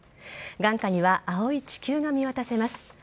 眼下には青い地球が見渡せます。